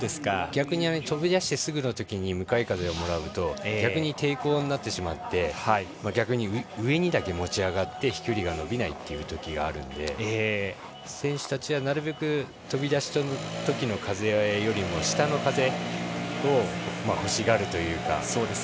逆に飛び出してすぐのときに向かい風をもらうと逆に抵抗になってしまって上にだけ持ち上がって飛距離が伸びないというときがあるので選手たちはなるべく飛び出したときの風よりも下の風をほしがるというか。